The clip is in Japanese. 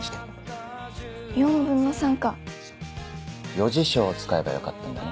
余事象を使えばよかったんだね。